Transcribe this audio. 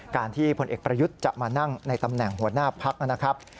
ที่พลเอกประยุทธ์จะมานั่งในตำแหน่งหัวหน้าพักนะครับ